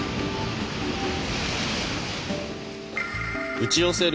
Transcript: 打ち寄せる